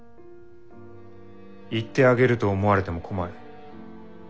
行ってあげると思われても困る。